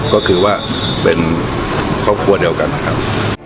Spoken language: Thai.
ก็คือว่าเป็นครอบครัวเดียวกันนะครับ